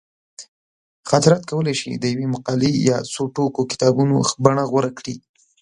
خاطرات کولی شي د یوې مقالې یا څو ټوکه کتابونو بڼه غوره کړي.